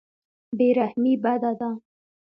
بې رحمي بده ده.